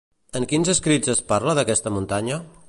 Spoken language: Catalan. En quins escrits es parla d'aquesta muntanya?